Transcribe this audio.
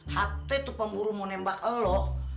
hatta itu pemburu menembak lo